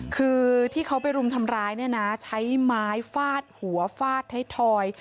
คือที่เขาไปรุมทำร้ายเนี่ยนะใช้ไม้ฟาดหัวฟาดไทยทอย